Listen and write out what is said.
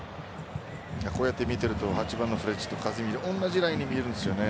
こうやってみてると８番のフレッジとカゼミーロ同じラインに見えるんですよね。